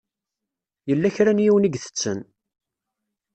Yella kra n yiwen i itetten.